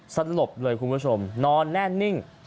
สลบเลยคุณผู้ชมนอนแน่นิ่ง